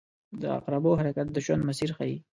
• د عقربو حرکت د ژوند مسیر ښيي.